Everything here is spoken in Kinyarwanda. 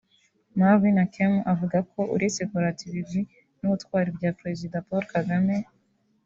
Marvin Akeem avuga ko uretse kurata ibigwi n’ubutwari bya perezida Paul Kagame